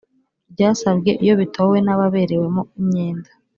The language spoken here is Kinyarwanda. ryasabwe iyo bitowe n ababerewemo imyenda